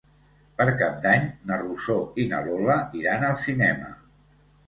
Per Cap d'Any na Rosó i na Lola iran al cinema.